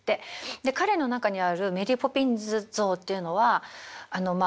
で彼の中にあるメリー・ポピンズ像っていうのはあのまあ